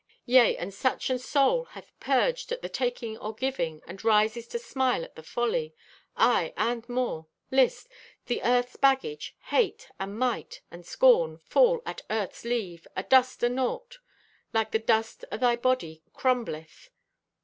Yea, and such an soul hath purged at the taking or giving, and rises to smile at thy folly. "Aye, and more. List! The earth's baggage, hate, and might, and scorn, fall at earth's leave, a dust o' naught, like the dust o' thy body crumbleth.